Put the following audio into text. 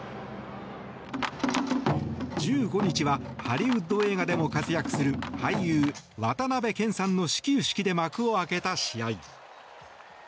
１５日はハリウッド映画でも活躍する俳優・渡辺謙さんの始球式で幕を開けた試合。